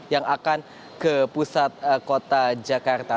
yang akan ke pusat kota jakarta